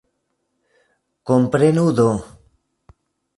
Komprenu do!